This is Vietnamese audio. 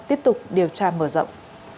tiếp tục điều tra mở rộng